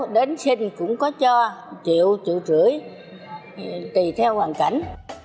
đến sinh cũng có cho triệu triệu rưỡi tùy theo hoàn cảnh